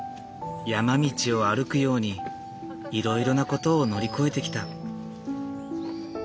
山道を歩くようにいろいろなことを乗り越えてきた。